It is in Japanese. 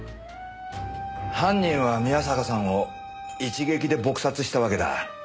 犯人は宮坂さんを一撃で撲殺したわけだ。